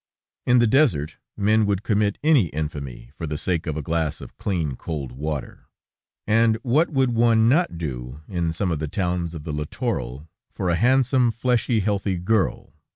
In the desert, men would commit any infamy for the sake of a glass of clean, cold water, and what would one not do in some of the towns of the littoral, for a handsome, fleshy, healthy girl?